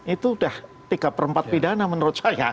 itu sudah tiga per empat pidana menurut saya